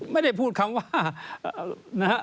ไม่ได้พูดคำว่า